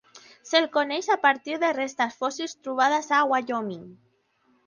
Se'l coneix a partir de restes fòssils trobades a Wyoming.